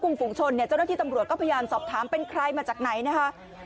ฝุงชนเนี่ยเจ้าหน้าที่ตำรวจก็พยายามสอบถามเป็นใครมาจากไหนนะคะ